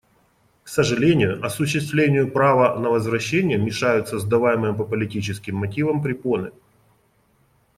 К сожалению, осуществлению права на возвращение мешают создаваемые по политическим мотивам препоны.